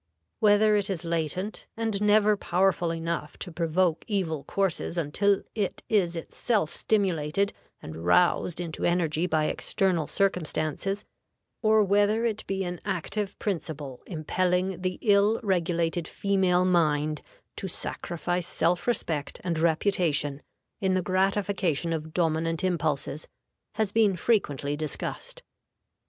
Whether it is latent, and never powerful enough to provoke evil courses until it is itself stimulated and roused into energy by external circumstances, or whether it be an active principle impelling the ill regulated female mind to sacrifice self respect and reputation in the gratification of dominant impulses, has been frequently discussed.